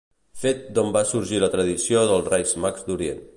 Fet d'on va sorgir la tradició dels Reis Mags d'Orient.